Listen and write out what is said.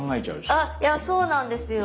あいやそうなんですよ。